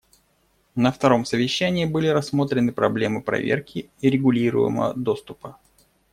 На втором совещании были рассмотрены проблемы проверки и регулируемого доступа.